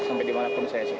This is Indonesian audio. sampai dimanapun saya siap